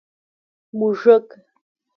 🐁 موږک